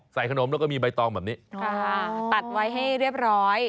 ใส่ขนมแล้วก็มีใบตองแบบนี้ค่ะตัดไว้ให้เรียบร้อย